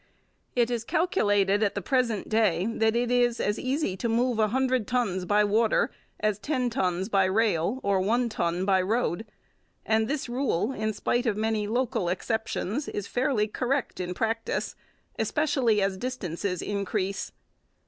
It is calculated at the present day that it is as easy to move a hundred tons by water as ten tons by rail or one ton by road; and this rule, in spite of many local exceptions, is fairly correct in practice, especially as distances increase.